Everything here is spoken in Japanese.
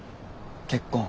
結婚？